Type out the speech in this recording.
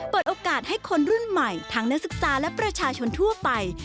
เปิดโอกาสให้คนรุ่นใหม่ทั้งนักศึกษาและประชาชนทั่วไป